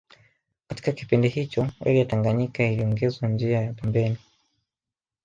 Katika kipindi hicho Reli ya Tanganyika iliongezwa njia ya pembeni